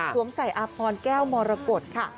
ใส่อาพรแก้วมรกฏค่ะ